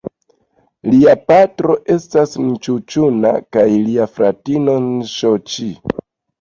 Lia patro estas Inĉu-ĉuna kaj lia fratino Nŝo-ĉi.